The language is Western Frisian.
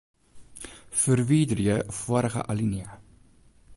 Ferwiderje foarige alinea.